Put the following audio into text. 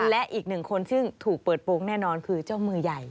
และอีกหนึ่งคนซึ่งถูกเปิดโปรงแน่นอนคือเจ้ามือใหญ่